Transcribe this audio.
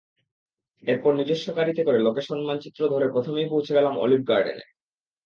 এরপর নিজস্ব গাড়িতে করে লোকেশন মানচিত্র ধরে প্রথমেই পৌঁছে গেলাম অলিভ গার্ডেনে।